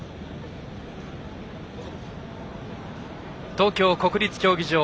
東京・国立競技場。